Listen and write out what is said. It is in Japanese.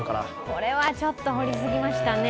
これはちょっと掘りすぎましたね。